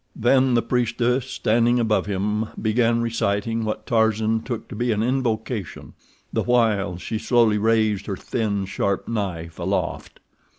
Then the priestess, standing above him, began reciting what Tarzan took to be an invocation, the while she slowly raised her thin, sharp knife aloft.